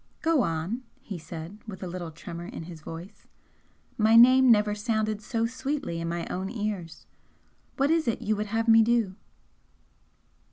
"Go on!" he said, with a little tremor in his voice "My name never sounded so sweetly in my own ears! What is it you would have me do?"